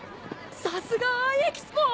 さすがＩ・エキスポ！